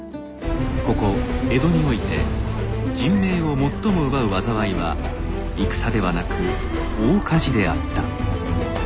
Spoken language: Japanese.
ここ江戸において人命を最も奪う災いは戦ではなく大火事であった。